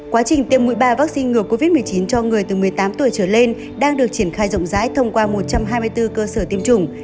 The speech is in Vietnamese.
quá trình tiêm mũi ba vaccine ngừa covid một mươi chín cho người từ một mươi tám tuổi trở lên đang được triển khai rộng rãi thông qua một trăm hai mươi bốn cơ sở tiêm chủng